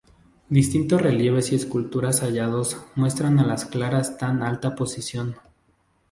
Distintos relieves y esculturas hallados muestran a las claras tan alta posición.